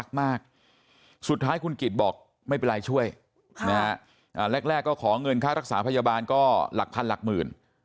สุดท้ายคุณกิจบอกไม่เป็นไรช่วยแรกก็ขอเงินค่ารักษาพยาบาลก็หลักพันหลักหมื่น